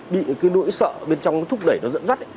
bị cái nỗi sợ bên trong nó thúc đẩy nó dẫn dắt